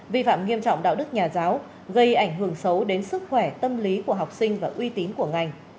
vi phạm nghiêm trọng đạo đức nhà giáo gây ảnh hưởng xấu đến sức khỏe tâm lý của học sinh và uy tín của ngành